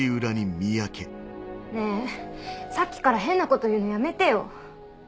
ねぇさっきから変なこと言うのやめてよ。